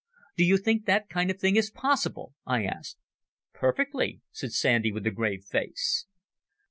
Do you think that kind of thing is possible?" I asked. "Perfectly," said Sandy, with a grave face.